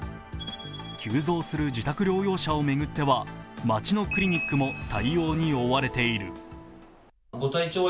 急増する自宅療養者を巡っては町のクリニックも対応に追われている。